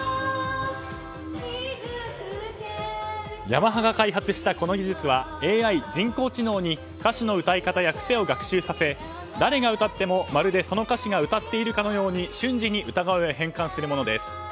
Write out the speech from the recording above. ヤマハが開発したこの技術はＡＩ・人工知能に歌手の歌い方や癖を学習させ誰が歌ってもまるでその歌手が歌っているかのように瞬時に歌声を変換するものです。